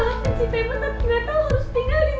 nah itu cuma mimpi